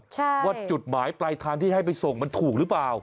ใช่ว่าจุดหมายปลายทางที่ให้ไปส่งมันถูกหรือเปล่า